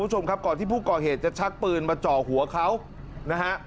คุณผู้ชมครับก่อนที่ผู้ก่อเหตุจะชักปืนมาจ่อหัวเขานะฮะ